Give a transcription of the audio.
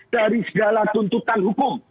dari segala tuntutan hukum